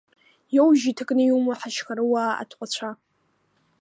Иоужь иҭакны иумоу ҳашьхаруаа аҭҟәацәа.